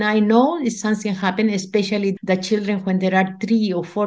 dan mereka sangat agresif dalam perkembangan yang mendukung